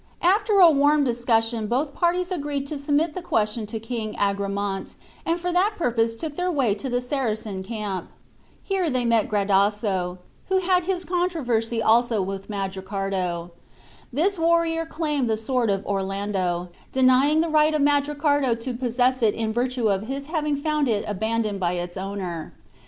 After a warm discussion both parties agreed to submit the question to King Agramant, and for that purpose took their way to the Saracen camp. Here they met Gradasso, who had his controversy also with Mandricardo. This warrior claimed the sword of Orlando, denying the right of Mandricardo to possess it in virtue of his having found it abandoned by its owner.